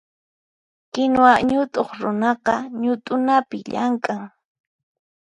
Kinuwa ñutuq runaqa ñutunapi llamk'an.